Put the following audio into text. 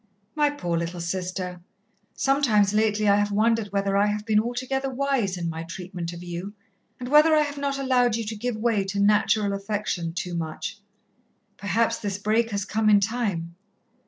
"My poor little Sister, sometimes lately I have wondered whether I have been altogether wise in my treatment of you, and whether I have not allowed you to give way to natural affection too much. Perhaps this break has come in time.